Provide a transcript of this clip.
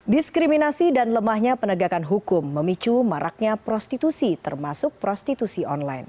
diskriminasi dan lemahnya penegakan hukum memicu maraknya prostitusi termasuk prostitusi online